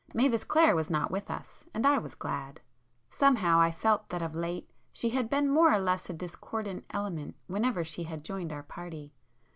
Mavis Clare was not with us,—and I was glad. Somehow I felt that of late she had been more or less a discordant element whenever she had joined our party.